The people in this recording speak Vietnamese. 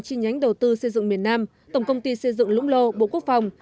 chi nhánh đầu tư xây dựng miền nam tổng công ty xây dựng lũng lô bộ quốc phòng